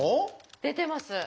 出てます。